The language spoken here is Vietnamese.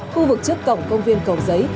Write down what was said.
khu vực trước cổng công viên cầu giấy